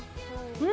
うん！